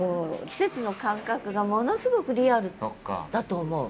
季節の感覚がものすごくリアルだと思う。